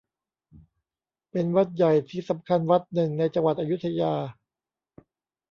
เป็นวัดใหญ่ที่สำคัญวัดหนึ่งในจังหวัดอยุธยา